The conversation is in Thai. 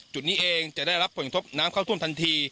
จุดนี้เองจะได้รับผลทบน้ำเข้าท่วมทันที